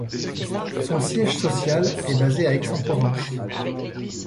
Son siège social est basé à Aix en Provence.